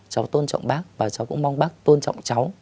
cháu tôn trọng bác và cháu cũng mong bác tôn trọng cháu